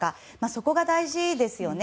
そこが大事ですよね。